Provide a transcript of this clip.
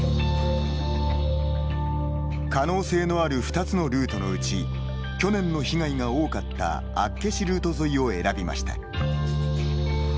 可能性のある２つのルートのうち去年の被害が多かった厚岸ルート沿いを選びました。